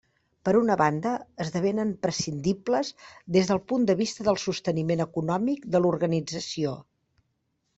Per una banda, esdevenen prescindibles des del punt de vista del sosteniment econòmic de l'organització.